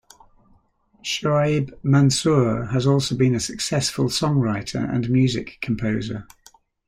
Shoaib Mansoor has also been a successful songwriter and music composer.